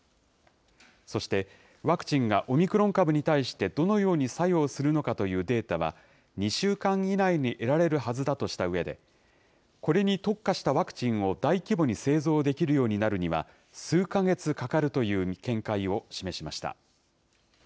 そしてワクチンがオミクロン株に対してどのように作用するかというデータは、２週間以内に得られるはずだとしたうえで、これに特化したワクチンを大規模に製造できるようになるには、数か月かかるという見解を示しました。